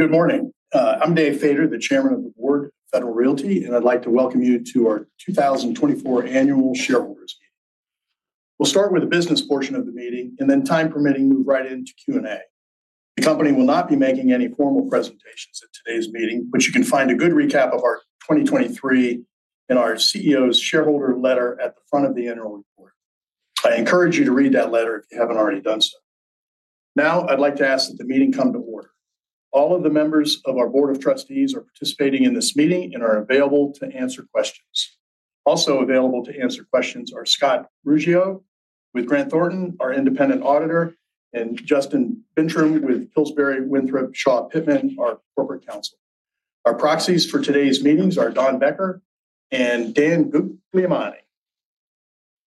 Good morning. I'm David Faeder, the Chairman of the Board, Federal Realty, and I'd like to welcome you to our 2024 Annual Shareholders Meeting. We'll start with the business portion of the meeting, and then, time permitting, move right into Q&A. The company will not be making any formal presentations at today's meeting, but you can find a good recap of our 2023 in our CEO's shareholder letter at the front of the annual report. I encourage you to read that letter if you haven't already done so. Now, I'd like to ask that the meeting come to order. All of the members of our Board of Trustees are participating in this meeting and are available to answer questions. Also available to answer questions are Scott Ruggiero with Grant Thornton, our independent auditor, and Justin Bintrim with Pillsbury Winthrop Shaw Pittman, our corporate counsel. Our proxies for today's meetings are Dawn Becker and Dan Guglielmone.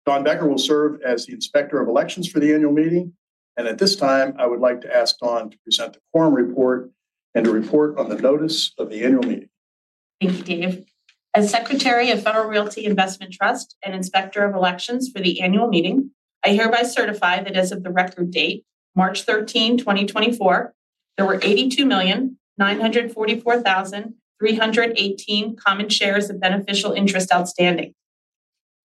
Dawn Becker will serve as the Inspector of Elections for the annual meeting, and at this time, I would like to ask Dawn to present the quorum report and to report on the notice of the annual meeting. Thank you, Dave. As Secretary of Federal Realty Investment Trust and Inspector of Elections for the annual meeting, I hereby certify that as of the record date, March 13th, 2024, there were 82,944,318 common shares of beneficial interest outstanding.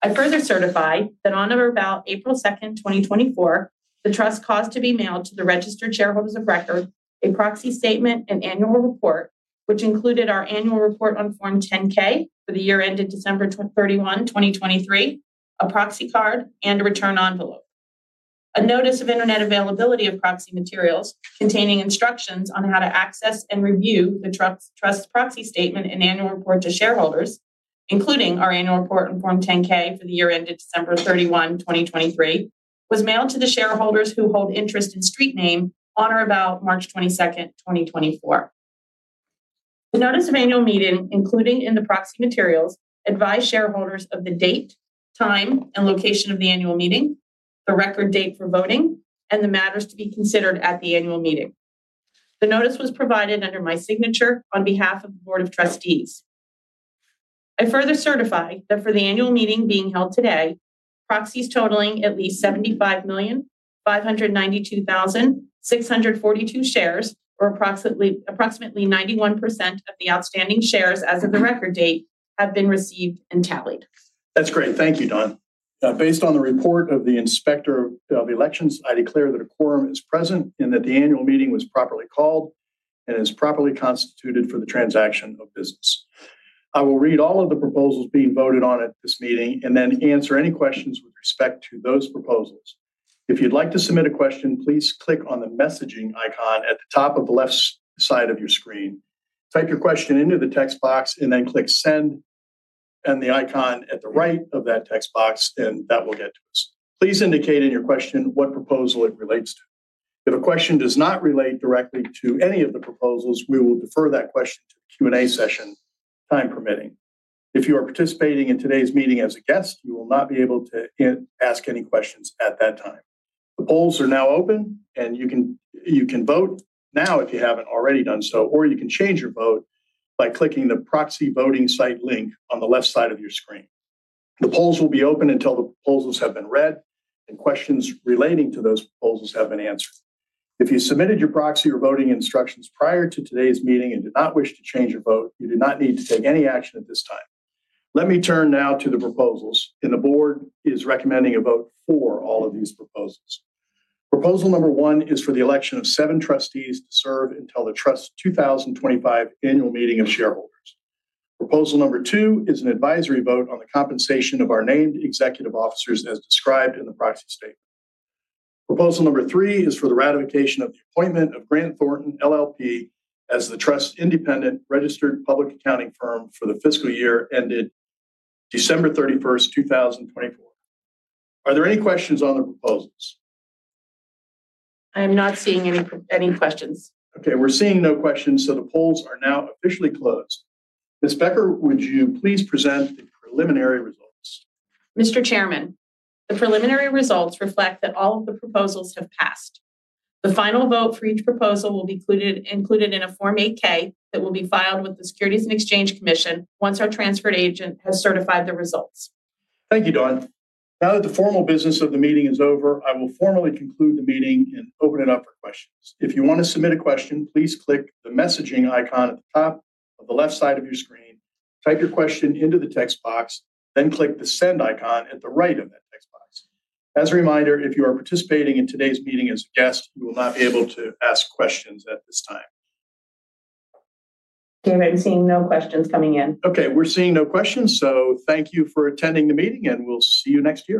I further certify that on or about April 2nd, 2024, the Trust caused to be mailed to the registered shareholders of record, a proxy statement and annual report, which included our annual report on Form 10-K for the year ended December 31, 2023, a proxy card, and a return envelope. A notice of internet availability of proxy materials containing instructions on how to access and review the Trust's proxy statement and annual report to shareholders, including our annual report on Form 10-K for the year ended December 31, 2023, was mailed to the shareholders who hold interest in street name on or about March 22nd, 2024. The notice of annual meeting, including in the proxy materials, advised shareholders of the date, time, and location of the annual meeting, the record date for voting, and the matters to be considered at the annual meeting. The notice was provided under my signature on behalf of the Board of Trustees. I further certify that for the annual meeting being held today, proxies totaling at least 75,592,642 shares, or approximately 91% of the outstanding shares as of the Record Date, have been received and tallied. That's great. Thank you, Dawn. Now, based on the report of the Inspector of Elections, I declare that a quorum is present, and that the annual meeting was properly called and is properly constituted for the transaction of business. I will read all of the proposals being voted on at this meeting, and then answer any questions with respect to those proposals. If you'd like to submit a question, please click on the messaging icon at the top of the left side of your screen. Type your question into the text box, and then click Send, and the icon at the right of that text box, and that will get to us. Please indicate in your question what proposal it relates to. If a question does not relate directly to any of the proposals, we will defer that question to the Q&A session, time permitting. If you are participating in today's meeting as a guest, you will not be able to ask any questions at that time. The polls are now open, and you can vote now if you haven't already done so, or you can change your vote by clicking the proxy voting site link on the left side of your screen. The polls will be open until the proposals have been read, and questions relating to those proposals have been answered. If you submitted your proxy or voting instructions prior to today's meeting and do not wish to change your vote, you do not need to take any action at this time. Let me turn now to the proposals, and the board is recommending a vote for all of these proposals. Proposal number one is for the election of seven trustees to serve until the Trust's 2025 annual meeting of shareholders. Proposal number two is an advisory vote on the compensation of our named executive officers as described in the proxy statement. Proposal number three is for the ratification of the appointment of Grant Thornton LLP as the Trust's independent registered public accounting firm for the fiscal year ended December 31st, 2024. Are there any questions on the proposals? I am not seeing any questions. Okay, we're seeing no questions, so the polls are now officially closed. Ms. Becker, would you please present the preliminary results? Mr. Chairman, the preliminary results reflect that all of the proposals have passed. The final vote for each proposal will be included in a Form 8-K that will be filed with the Securities and Exchange Commission once our transfer agent has certified the results. Thank you, Dawn. Now that the formal business of the meeting is over, I will formally conclude the meeting and open it up for questions. If you want to submit a question, please click the messaging icon at the top of the left side of your screen. Type your question into the text box, then click the Send icon at the right of that text box. As a reminder, if you are participating in today's meeting as a guest, you will not be able to ask questions at this time. Dave, I'm seeing no questions coming in. Okay, we're seeing no questions, so thank you for attending the meeting, and we'll see you next year.